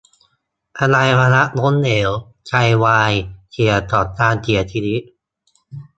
อวัยวะล้มเหลว ไตวาย เสี่ยงต่อการเสียชีวิต